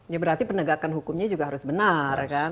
ya berarti penegakan hukumnya juga harus benar kan